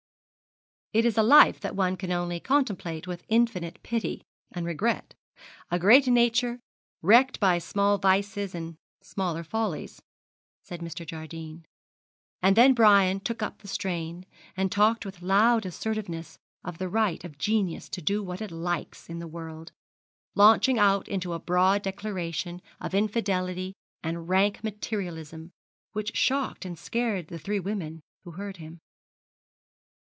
'It is a life that one can only contemplate with infinite pity and regret a great nature, wrecked by small vices and smaller follies,' said Mr. Jardine; and then Brian took up the strain, and talked with loud assertiveness of the right of genius to do what it likes in the world, launching out into a broad declaration of infidelity and rank materialism, which shocked and scared the three women who heard him.